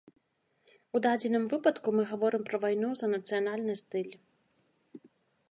У дадзеным выпадку мы гаворым пра вайну за нацыянальны стыль.